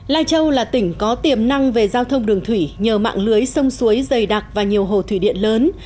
lai châu là tỉnh có tiềm năng về giao thông đường thủy nhờ mạng lưới sông suối dày đặc và nhiều hồ thủy điện lớn